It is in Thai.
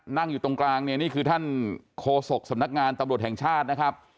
นั่งอยู่ตรงกลางเนี่ยนี่คือท่านโคศกสำนักงานตำรวจแห่งชาตินะครับ